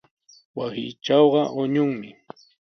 Wasiitrawqa quñunmi.